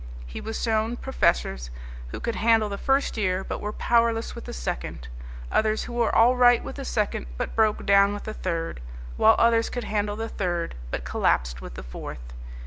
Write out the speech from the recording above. He was shown professors who could handle the first year, but were powerless with the second; others who were all right with the second but broke down with the third, while others could handle the third but collapsed with the fourth.